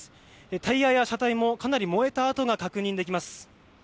タイヤや車体もかなり燃えた跡が確認できます。